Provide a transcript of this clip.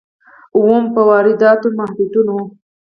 اووم: په وارداتو محدودیتونه.